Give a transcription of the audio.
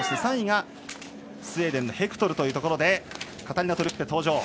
３位がスウェーデンのヘクトルというところでカタリナ・トルッペ。